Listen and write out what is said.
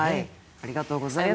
ありがとうございます。